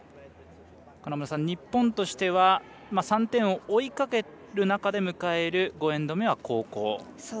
日本としては３点を追いかける中で迎える５エンド目は後攻。